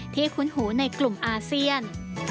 ที่ให้คุ้นหูในกลุ่มอาเซียน